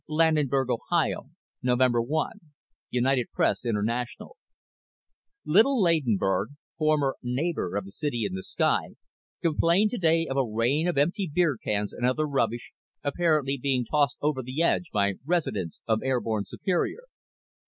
"__LADENBURG, Ohio, Nov. 1 (UPI) Little Ladenburg, former neighbor of "The City in the Sky," complained today of a rain of empty beer cans and other rubbish, apparently being tossed over the edge by residents of airborne Superior.